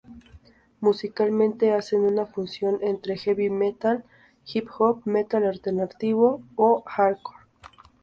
Musicalmente hacen una fusión entre heavy metal, hip-hop, metal alternativo o hardcore.